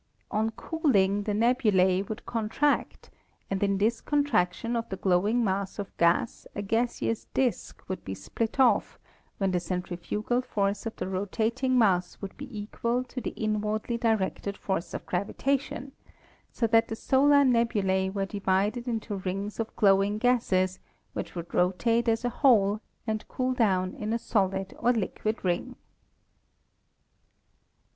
On cooling the nebulae would contract, and in this contraction of the glowing mass of gas a gaseous disk would be split off when the centrifugal force of the rotating mass would be equal to the inwardly directed force of gravitation, so that the solar nebulae were divided into rings of glowing gases which would rotate as a whole and cool down in a solid or liquid ring.